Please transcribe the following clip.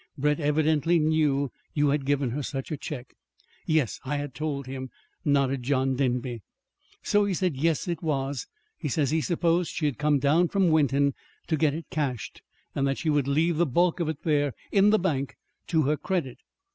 Brett evidently knew you had given her such a check " "Yes, I had told him," nodded John Denby. "So he said yes, it was. He says he supposed she had come down from Wenton to get it cashed, and that she would leave the bulk of it there in the bank to her credit.